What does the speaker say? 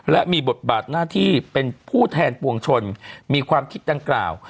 และมีบทบาทหน้าที่เป็นผู้แทนปวงชนมีความคิดดังกล่าว